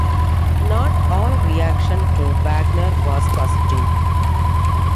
Not all reaction to Wagner was positive.